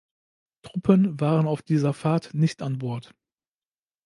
Truppen waren auf dieser Fahrt nicht an Bord.